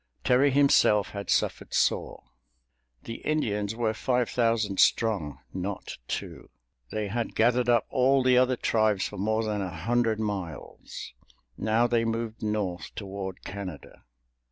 Terry himself had suffered sore. The Indians were five thousand strong, not two. They had gathered up all the other tribes for more than a hundred miles. Now they moved North toward Canada.